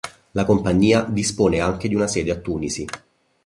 La compagnia dispone anche di una sede a Tunisi.